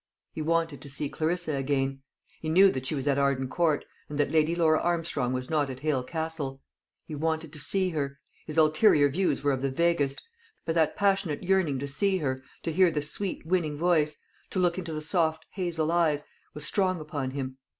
He wanted to see Clarissa again. He knew that she was at Arden Court, and that Lady Laura Armstrong was not at Hale Castle. He wanted to see her; his ulterior views were of the vaguest; but that passionate yearning to see her, to hear the sweet winning voice, to look into the soft hazel eyes, was strong upon him.